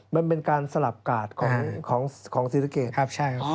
มันเป็นการสลับกาดของสีเกรด